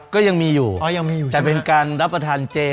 ก็ยังมีอยู่แต่เป็นการรับประทานเจ